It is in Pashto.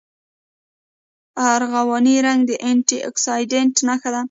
ارغواني رنګ د انټي اکسیډنټ نښه ده.